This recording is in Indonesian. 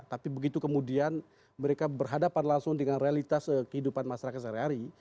tapi begitu kemudian mereka berhadapan langsung dengan realitas kehidupan masyarakat sehari hari